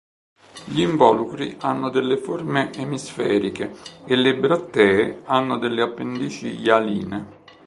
Gli involucri hanno delle forme emisferiche e le brattee hanno delle appendici ialine.